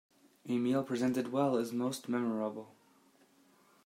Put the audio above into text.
A meal presented well is most memorable.